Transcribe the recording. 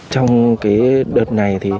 trong cái đợt này